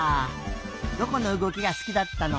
どこのうごきがすきだったの？